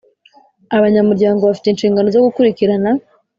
Abanyamuryango bafite inshingano zo gukurikirana